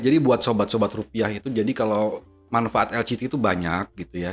jadi buat sobat sobat rupiah itu jadi kalau manfaat lct itu banyak gitu ya